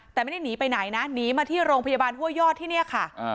แต่ไม่ได้หนีไปไหนนะหนีมาที่โรงพยาบาลห้วยยอดที่นี่ค่ะ